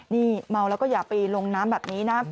นี่เมาแล้วก็อย่าไปลงน้ำแบบนี้นะ